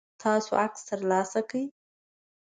تاسو عکس ترلاسه کړئ؟